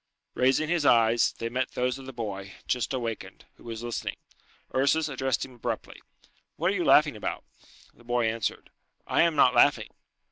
Raising his eyes, they met those of the boy, just awakened, who was listening. Ursus addressed him abruptly, "What are you laughing about?" The boy answered, "I am not laughing."